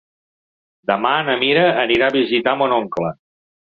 Demà na Mira anirà a visitar mon oncle.